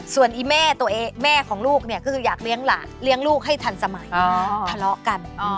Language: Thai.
ส่วนแม่ของลูกเนี่ยคืออยากเลี้ยงหลานเลี้ยงลูกให้ทันสมัยทะเลาะกัน